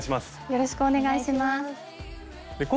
よろしくお願いします。